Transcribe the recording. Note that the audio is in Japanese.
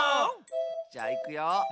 じゃあいくよ。